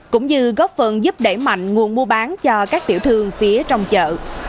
cũng như góp phần giúp đẩy mạnh nguồn mua bán cho các tiểu thương phía trong chợ